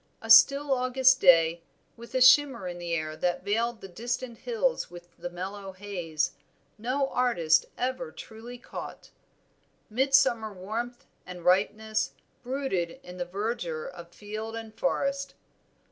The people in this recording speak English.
A still August day, with a shimmer in the air that veiled the distant hills with the mellow haze, no artist ever truly caught. Midsummer warmth and ripeness brooded in the verdure of field and forest.